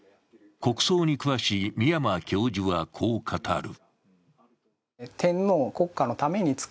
国葬に詳しい宮間教授はこう語る。